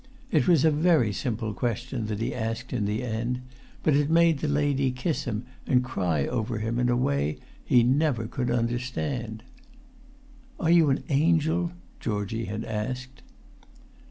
It was a very simple question that he asked in the end, but it made the lady kiss him and cry over him in a way he never could understand. "Are you a angel?" Georgie had said.